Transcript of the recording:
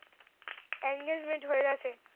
Engagement হয়ে গেছে?